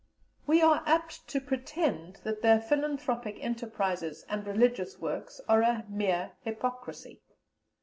We are apt to pretend that their philanthropic enterprises and religious works are a mere hypocrisy.